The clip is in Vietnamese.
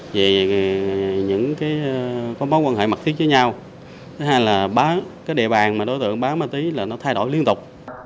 đối tượng có mối quan hệ mặt thiết với nhau thứ hai là địa bàn mà đối tượng bán ma túy là nó thay đổi liên tục